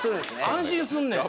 安心すんねん。